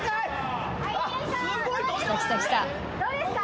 どうですか？